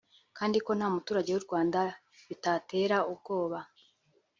kandi ko nta muturage w’u Rwanda bitatera ubwoba